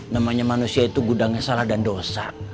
namanya manusia itu gudangnya salah dan dosa